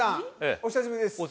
お久しぶりです